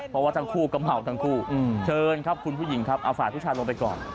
เพราะว่าทั้งคู่ก็เมาทั้งคู่เชิญครับคุณผู้หญิงครับเอาฝ่ายผู้ชายลงไปก่อน